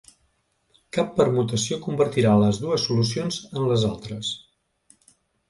Cap permutació convertirà les dues solucions en les altres.